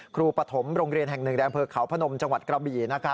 ครูปฐมโรงเรียนแห่งหนึ่งแดงเฟิร์ดเขาพนมจังหวัดกราบบี